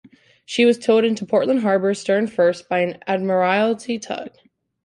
She was towed into Portland Harbour stern-first by an Admiralty tug.